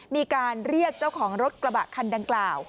มีการเรียกเจ้าของรถกระบะคันดังกล่าว